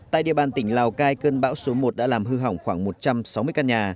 tại địa bàn tỉnh lào cai cơn bão số một đã làm hư hỏng khoảng một trăm sáu mươi căn nhà